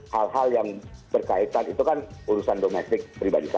hal hal yang berkaitan itu kan urusan domestik pribadi saya